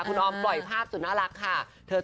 คุณออมปล่อยภาพสุดน่ารักค่ะ